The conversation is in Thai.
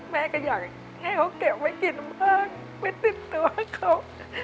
แม่ก็อยากให้เขาเก็บไว้กินบ้างไม่ติดตัวเขา